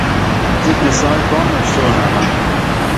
تُپی سائیں کاڻ اُشتروننہ